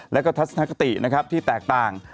แล้วก็ทัศนคตินะครับที่แตกต่าง